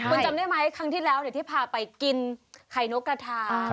คุณจำได้ไหมครั้งที่แล้วที่พาไปกินไข่นกกระทา